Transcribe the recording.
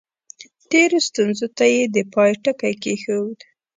تېرو ستونزو ته یې د پای ټکی کېښود.